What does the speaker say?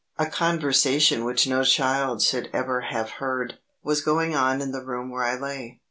A conversation which no child should ever have heard, was going on in the room where I lay.